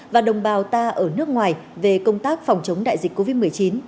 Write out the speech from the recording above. và đồng bào ta ở nước ngoài về công tác phòng chống đại dịch covid một mươi chín